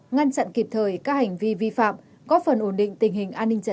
ngăn chặn kịp thời các hành vi vi phạm góp phần ổn định tình hình an ninh trở tự ở địa phương